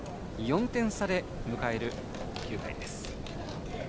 ４点差で迎える９回です。